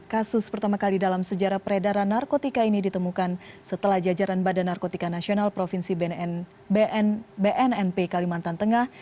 kasus pertama kali dalam sejarah peredaran narkotika ini ditemukan setelah jajaran badan narkotika nasional provinsi bnnp kalimantan tengah